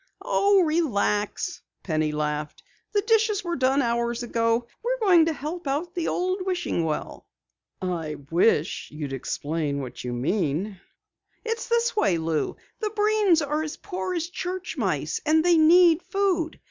"Oh, relax," Penny laughed. "The dishes were done hours ago. We're going to help out the Old Wishing Well." "I wish you would explain what you mean." "It's this way, Lou. The Breens are as poor as church mice, and they need food.